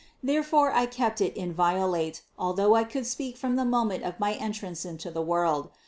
Therefore I kept it inviolate, although I could speak from the moment of my entrance into the world.